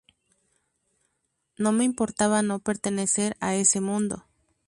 No me importaba no pertenecer a ese mundo.